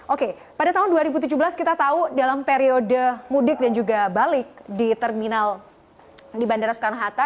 oke pada tahun dua ribu tujuh belas kita tahu dalam periode mudik dan juga balik di terminal di bandara soekarno hatta